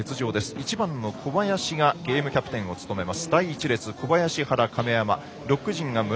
１番の小林がきょうはゲームキャプテンを務めます。